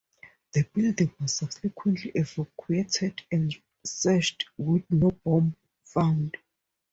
The building was subsequently evacuated and searched, with no bomb found.